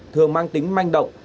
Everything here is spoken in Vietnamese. thường mang tính manh động